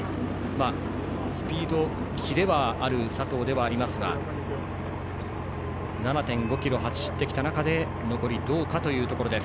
スピード、キレはある佐藤ではありますが７．５ｋｍ走ってきた中で残りどうかというところ。